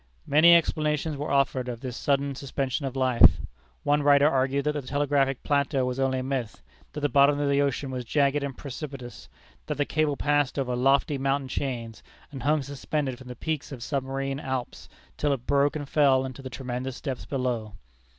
Many explanations were offered of this sudden suspension of life. One writer argued that the Telegraphic Plateau was only a myth; that the bottom of the ocean was jagged and precipitous; that the cable passed over lofty mountain chains, and hung suspended from the peaks of submarine Alps, till it broke and fell into the tremendous depths below.